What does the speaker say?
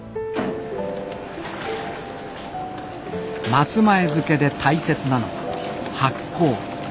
松前漬で大切なのは発酵。